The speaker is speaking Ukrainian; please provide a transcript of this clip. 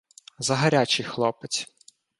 — Загарячий хлопець.